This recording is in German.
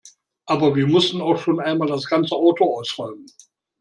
Aber wir mussten auch schon einmal das ganze Auto ausräumen.